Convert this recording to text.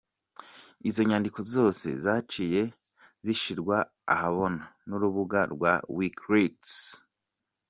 Izo nyandiko zose zaciye zishirwa ahabona n'urubuga rwa Wikileaks.